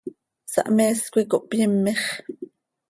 Sahmees coi cohpyimix.